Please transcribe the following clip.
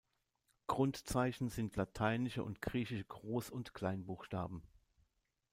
Grundzeichen sind lateinische und griechische Groß- und Kleinbuchstaben.